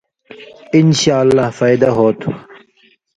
انشاءاللہ فائدہ ہوتُھو۔